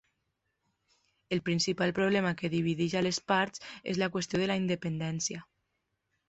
El principal problema que divideix a les parts és la qüestió de la independència.